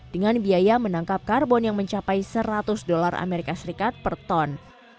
dengan biaya menangkap karbon yang mencapai seratus dolar as per ton